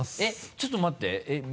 えっちょっと待って。